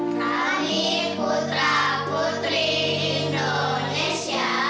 kami putra putri indonesia